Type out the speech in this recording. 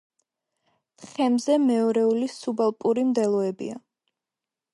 თხემზე მეორეული სუბალპური მდელოებია.